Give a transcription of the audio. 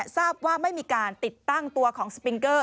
ทราบว่าไม่มีการติดตั้งตัวของสปิงเกอร์